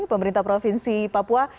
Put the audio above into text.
pemerintah provinsi papua